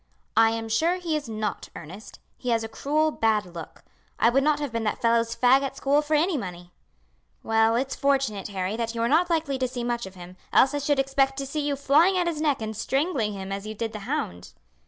"I am sure he is not, Ernest; he has a cruel bad look. I would not have been that fellow's fag at school for any money. "Well, it's fortunate, Harry, that you are not likely to see much of him, else I should expect to see you flying at his neck and strangling him as you did the hound."